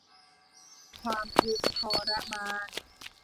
ความทุกข์ทรมาน